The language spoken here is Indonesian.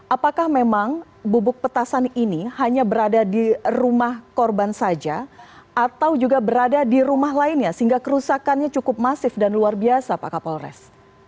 apakah memang bubuk petasan ini hanya berada di rumah korban saja atau juga berada di rumah lainnya sehingga kerusakannya cukup masif dan luar biasa pak kapolres